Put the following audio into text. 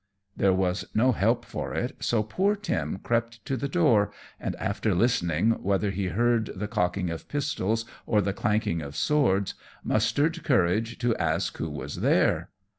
There was no help for it, so poor Tim crept to the door, and, after listening whether he heard the cocking of pistols or the clanking of swords, mustered courage to ask who was there.